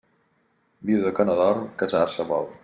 Viuda que no dorm, casar-se vol.